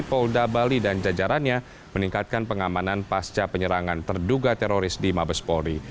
polda bali dan jajarannya meningkatkan pengamanan pasca penyerangan terduga teroris di mabes polri